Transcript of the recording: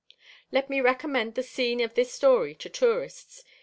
Let me recommend the scene of this story to tourists.